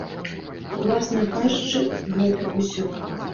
Уласна кажучы, гэта ўсё.